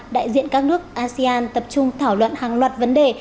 đại diện các nước asean tập trung thảo luận hàng loạt vấn đề